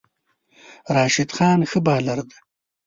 راشد خان ښه بالر دی